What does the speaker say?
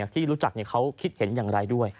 ที่รู้จักเขาคิดเห็นอย่างไรด้วย